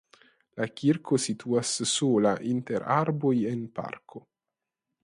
La kirko situas sola inter arboj en parko.